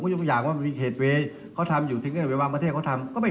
ว่าแนวทางจะเป็นอย่างไร